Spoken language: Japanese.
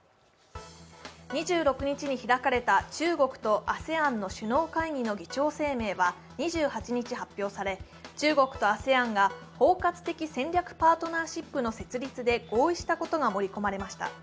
２６日に開かれた中国とＡＳＥＡＮの首脳会議の議長声明は２８日発表され中国とＡＳＥＡＮが包括的戦略パートナーシップの設立で合意したことが盛り込まれました。